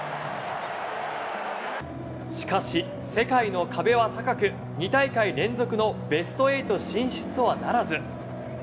しかし、世界の壁は高く２大会連続のベスト８進出とはならず。